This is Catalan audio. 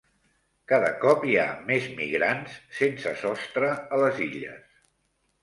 Cada cop hi ha més migrants sense sostre a les Illes